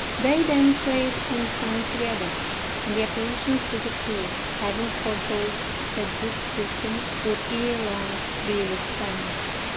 They then prayed and sang together, and the apparitions disappeared, having foretold that Duke Christian would ere long be with them.